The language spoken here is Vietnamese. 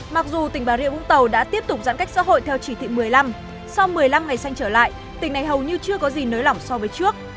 mặc dù tỉnh bà rịa vũng tàu đã tiếp tục giãn cách xã hội theo chỉ thị một mươi năm sau một mươi năm ngày xanh trở lại tỉnh này hầu như chưa có gì nới lỏng so với trước